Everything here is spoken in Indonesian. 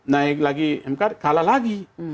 naik lagi mk kalah lagi